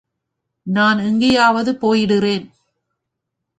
நான் எங்கேயாவது போயிடுறேன்.